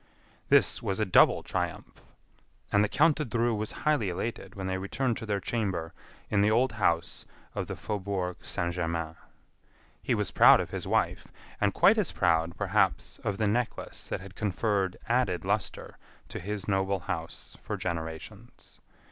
This was a double triumph, and the Count de Dreux was highly elated when they returned to their chamber in the old house of the faubourg Saint Germain. He was proud of his wife, and quite as proud, perhaps, of the necklace that had conferred added luster to his noble house for generations.